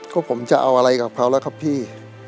ก็ผมจะเอาอะไรกับเขาแล้วครับพี่